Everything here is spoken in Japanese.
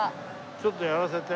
ちょっとやらせて。